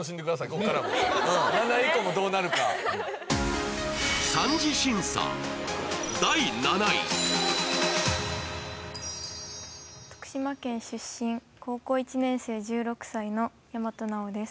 こっからも７位以降もどうなるか徳島県出身高校１年生１６歳の大和奈央です